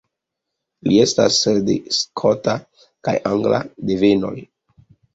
Li estas de skota kaj angla devenoj.